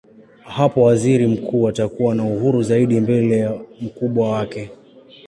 Hapo waziri mkuu atakuwa na uhuru zaidi mbele mkubwa wake.